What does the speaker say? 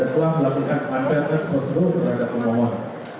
dan telah melakukan manfaat yang sempurna terhadap pemohon